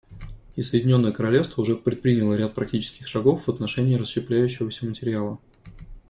И Соединенное Королевство уже предприняло ряд практических шагов в отношении расщепляющегося материала.